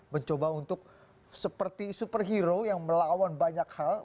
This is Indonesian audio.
mencoba untuk seperti superhero yang melawan banyak hal